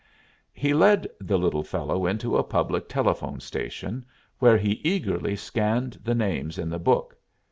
He led the little fellow into a public telephone station, where he eagerly scanned the names in the book.